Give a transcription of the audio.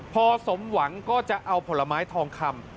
พอสมหวังก็จะเอาผลไม้ทองคำ